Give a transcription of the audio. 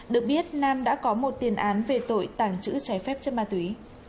được biết nam đã có một tiền án về tội tàng trữ trái phép chất ma túy